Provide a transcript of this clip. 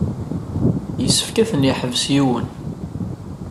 Yessefk ad ten-yeḥbes yiwen.